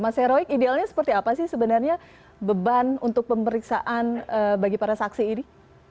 mas heroik idealnya seperti apa sih sebenarnya beban untuk pemeriksaan bagi para saksi ini